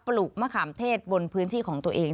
ลูกมะขามเทศบนพื้นที่ของตัวเอง